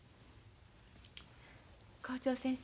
校長先生。